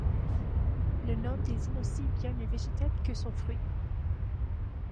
Le nom désigne aussi bien le végétal que son fruit.